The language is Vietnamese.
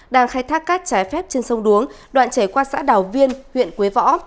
đang khai thác cát trái phép trên sông đuống đoạn chảy qua xã đào viên huyện quế võ